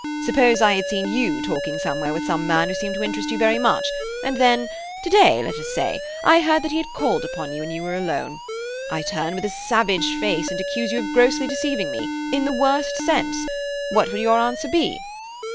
Suppose I had seen you talking somewhere with some man who seemed to interest you very much, and then—to day, let us say—I heard that he had called upon you when you were alone. I turn with a savage face and accuse you of grossly deceiving me—in the worst sense. What would your answer be?"